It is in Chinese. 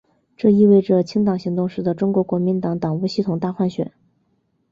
这意味着清党行动使得中国国民党党务系统大换血。